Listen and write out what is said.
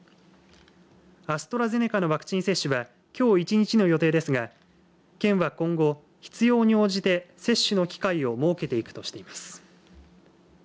アストラゼネカのワクチン接種はきょう１日の予定ですが県は今後必要に応じて接種の機会を設けていくとしています。